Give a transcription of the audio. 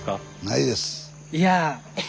いや。